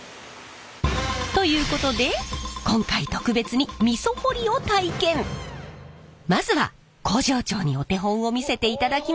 ということで今回特別にまずは工場長にお手本を見せていただきます！